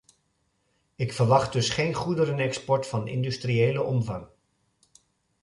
Ik verwacht dus geen goederenexport van industriële omvang.